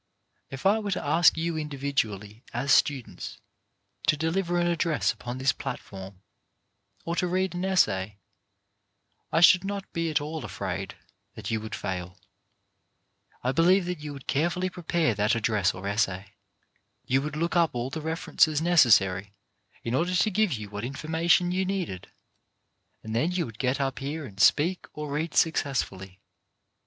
If I were to ask you individually as students to deliver an address upon this platform, or to read an essay, I should not be at all afraid that you would fail. I believe that you would carefully 22o CHARACTER BUILDING prepare that address or essay. You would look up all the references necessary in order to give you what information you needed, and then you would get up here and speak or read successfully.